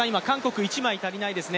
今、一枚足りないですね